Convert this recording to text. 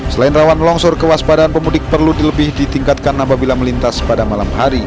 selain rawan longsor kewaspadaan pemudik perlu lebih ditingkatkan apabila melintas pada malam hari